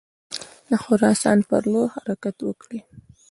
د خراسان پر لور حرکت وکړي.